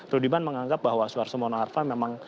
rudi menganggap bahwa suarso mono arva memang